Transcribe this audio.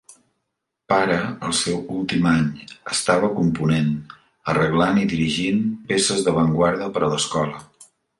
Para el seu últim any, estava component, arreglant i dirigint peces d'avantguarda per a l'escola.